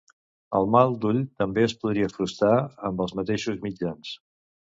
El "mal d'ull" també es podria frustrar amb els mateixos mitjans.